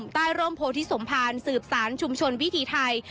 ร่มโพธิสมภารสืบสารชุมชนวิถีไทย